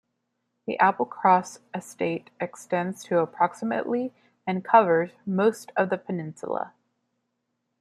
The Applecross estate extends to approximately and covers most of the peninsula.